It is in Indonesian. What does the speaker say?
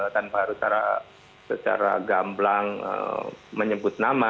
tanpa harus secara gamblang menyebut nama